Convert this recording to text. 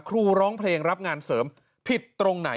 ร้องเพลงรับงานเสริมผิดตรงไหน